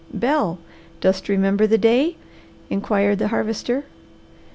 "Bel, dost remember the day?" inquired the Harvester.